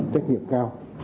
trách nhiệm cao